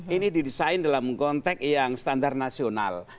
ini didesain dalam konteks yang standar nasional